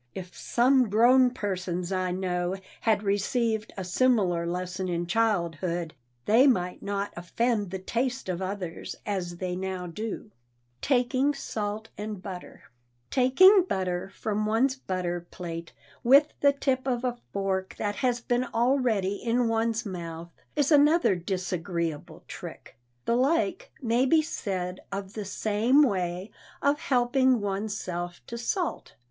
If some grown persons I know had received a similar lesson in childhood, they might not offend the taste of others as they now do." [Sidenote: TAKING SALT AND BUTTER] Taking butter from one's butter plate with the tip of a fork that has been already in one's mouth is another disagreeable trick. The like may be said of the same way of helping one's self to salt.